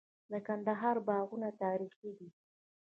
د کندهار باغونه تاریخي دي.